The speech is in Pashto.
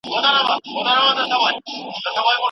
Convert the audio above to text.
تاسو کولای شئ چې له بادامو څخه خوندور حلوا او شیریني جوړه کړئ.